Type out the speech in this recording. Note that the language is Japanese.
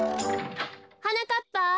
はなかっぱ。